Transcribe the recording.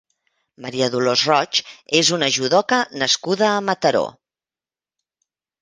Maria Dolors Roig és una judoka nascuda a Mataró.